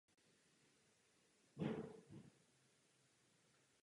Chová se velmi spontánně a vřele.